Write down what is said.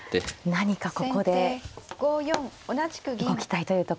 何かここで動きたいというところですね。